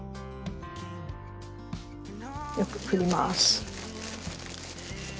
よくふります。